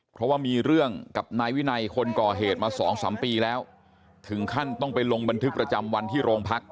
เพราะว่ามีเรื่องกับนายวินัยคนก่อเหตุมาสองสามปีแล้วถึงขั้นต้องไปลงบันทึกประจำวันที่โรงพัก